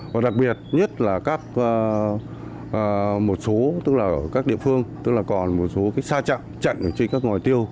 và đặc biệt nhất là các một số tức là các địa phương tức là còn một số cái xa chặn chặn trên các ngòi tiêu